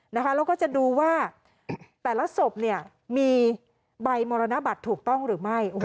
แล้วก็จะดูว่าแต่ละศพมีใบมรณบัตรถูกต้องหรือไม่